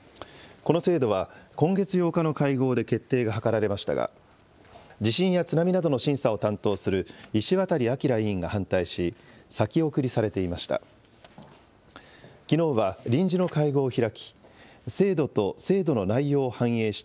この制度は、今月８日の会合で決定がはかられましたが、地震や津波などの審査を担当する、石渡明委員が反対し、先送りされていました。